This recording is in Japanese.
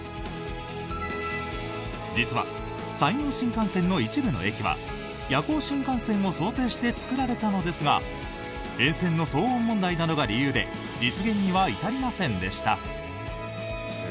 実は山陽新幹線の一部の駅は夜行新幹線を想定して作られたのですが沿線の騒音問題などが理由で実現には至りませんでした。